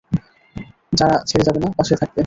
যারা ছেড়ে যাবে না, পাশে থাকবে।